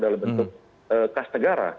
dalam bentuk kas negara